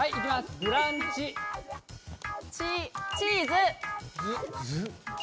ブランチチチーズズズ？